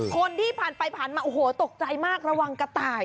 คนที่ผ่านไปผ่านมาโอ้โหตกใจมากระวังกระต่าย